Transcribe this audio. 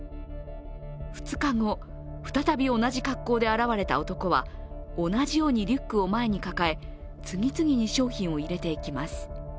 ２日後、再び同じ格好で現れた男は、同じようにリュックを前に抱え、次々に商品を入れていきます。